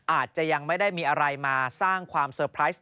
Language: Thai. อาจจะยังไม่ได้มีอะไรมาสร้างความเซอร์ไพรส์